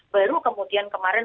baru kemudian kemarin